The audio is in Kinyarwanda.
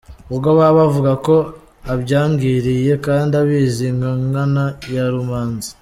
Ubwo baba bavuga ko abyangiriye kandi abizi nka Nkana ya Rumanzi.